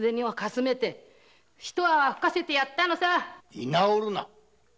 居直るな。